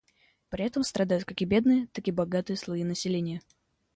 При этом страдают как бедные, так и богатые слои населения.